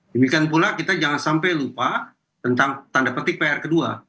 demikian pula kita jangan sampai lupa tentang tanda petik pr kedua